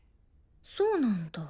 そうなんだ。